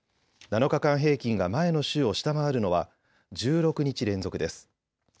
７日間平均が前の週を下回るのは１６日連続です。